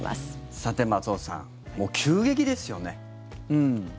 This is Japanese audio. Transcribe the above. さて、松尾さんもう急激ですよね。